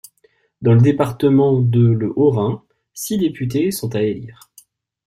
Dans le département de le Haut-Rhin, six députés sont à élire.